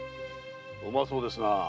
うまそうですな。